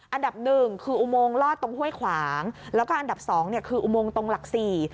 อันดับหนึ่งคืออุโมงลอดตรงห้วยขวางแล้วก็อันดับสองเนี่ยคืออุโมงตรงหลักสี่